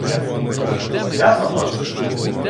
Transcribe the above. Із святом вас!